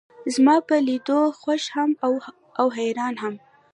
زما پۀ لیدو خوښ هم و او حیران هم.